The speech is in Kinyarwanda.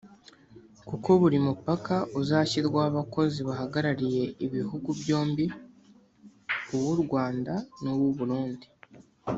Kuko buri mupaka uzashyirwaho abakozi bahagarariye ibihugu byombi (uw’u Rwanda n’uw’u Burundi)